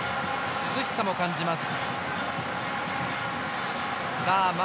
涼しさも感じます。